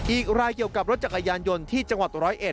อีกรายเกี่ยวกับรถจักรยานยนต์ที่จังหวัด๑๐๑